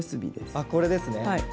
あこれですね。